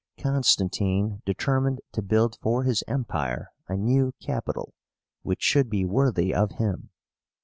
Constantine determined to build for his Empire a new capital, which should be worthy of him.